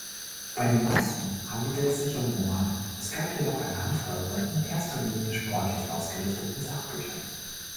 Bei den meisten handelte es sich um Romane, es gab jedoch eine Handvoll von in erster Linie sportlich ausgerichteten Sachbüchern.